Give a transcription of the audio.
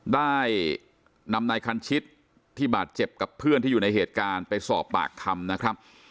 ได้นำนายคันชิตที่บาดเจ็บกับเพื่อนที่อยู่ในเหตุการณ์ไปสอบปากคำนะครับ